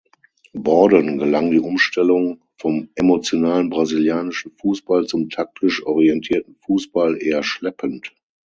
Bordon gelang die Umstellung vom emotionalen brasilianischen Fußball zum taktisch orientierten Fußball eher schleppend.